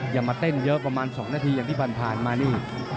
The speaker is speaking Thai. ยังมาเต้นเยอะประมาณ๒นาทีอย่างที่ผ่านมานี่